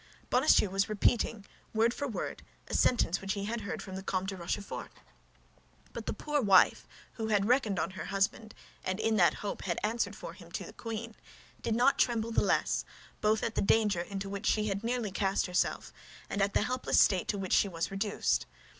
Bonacieux was repeating, word for word, a sentence which he had heard from the Comte de Rochefort; but the poor wife, who had reckoned on her husband, and who, in that hope, had answered for him to the queen, did not tremble the less, both at the danger into which she had nearly cast herself and at the helpless state to which she was reduced.